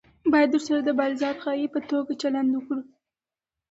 باید ورسره د بالذات غایې په توګه چلند وکړو.